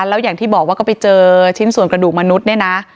แล้วอย่างที่บอกว่าก็ไปเจอชิ้นส่วนกระดูกมนุษย์เนี่ยนะ